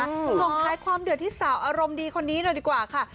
ส่งท้ายความเดือดที่สาวอารมณ์ดีคนนี้เลยดีกว่าค่ะ